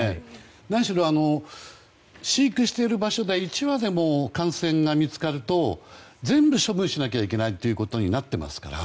何しろ、飼育している場所で一羽でも感染が見つかると全部処分しなきゃいけないことになってますから。